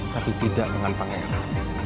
tapi tidak dengan pangeran